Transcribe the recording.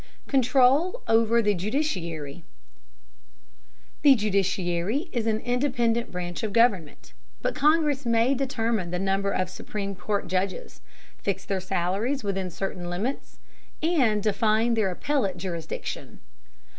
Control over the judiciary. The judiciary is an independent branch of government, but Congress may determine the number of Supreme Court judges, fix their salaries within certain limits, and define their appellate jurisdiction.